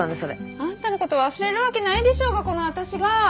あんたの事忘れるわけないでしょうがこの私が！